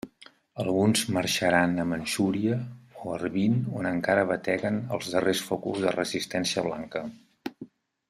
Alguns marxaran a Manxúria o Harbin on encara bateguen els darrers focus de resistència blanca.